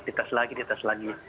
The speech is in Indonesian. ditas lagi ditas lagi